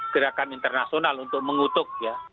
gerakan internasional untuk mengutuk ya